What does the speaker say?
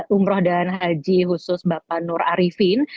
umroh dan haji khusus bapak nur arifin